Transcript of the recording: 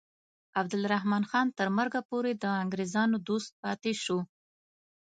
عبدالرحمن خان تر مرګه پورې د انګریزانو دوست پاتې شو.